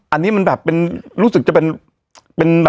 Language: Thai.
อันนี้มันแบบรู้สึกจะเป็น